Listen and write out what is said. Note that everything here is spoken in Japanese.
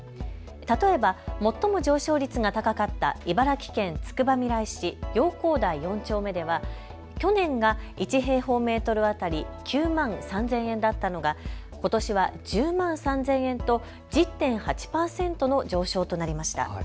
例えば最も上昇率が高かった茨城県つくばみらい市陽光台４丁目では去年が１平方メートル当たり９万３０００円だったのがことしは１０万３０００円と１０．８％の上昇となりました。